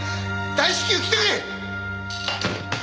大至急来てくれ！